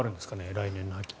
来年の秋に。